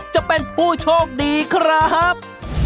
จะเป็นผู้โชคดีครับ